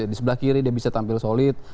di sebelah kiri dia bisa tampil solid